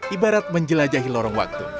ibarat menjelajahi lorong waktu